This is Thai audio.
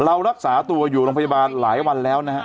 รักษาตัวอยู่โรงพยาบาลหลายวันแล้วนะฮะ